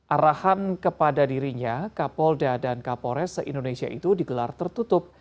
arahan kepada dirinya kapolda dan kapolres se indonesia itu digelar tertutup